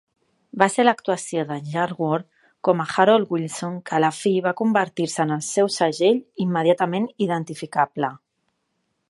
Va ser l'actuació de Yarwood com a Harold Wilson que a la fi va convertir-se en el seu segell immediatament identificable.